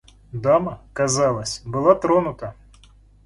Дама, казалось, была тронута.